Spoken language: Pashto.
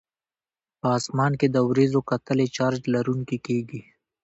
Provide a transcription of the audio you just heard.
په اسمان کې د وریځو کتلې چارج لرونکي کیږي.